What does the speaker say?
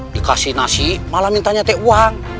dikasih nasi malah minta nyate uang